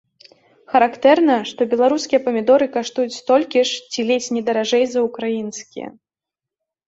Характэрна, што беларускія памідоры каштуюць столькі ж ці ледзь не даражэй за ўкраінскія.